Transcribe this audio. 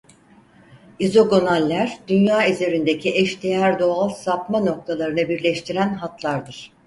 İzogonaller Dünya üzerindeki eşdeğer doğal sapma noktalarını birleştiren hatlardır.